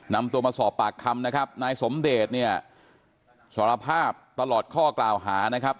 นำตัวมาสอบปากคำนะครับนายสมเดชเนี่ยสารภาพตลอดข้อกล่าวหานะครับ